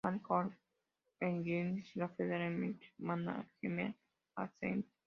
Army Corps of Engineers y a la Federal Emergency Management Agency.